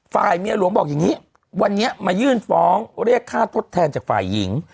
ฝ่ายเมียหลวงบอกอย่างนี้วันนี้มายื่นฟ้องเรียกค่าทดแทนจากฝ่ายหญิง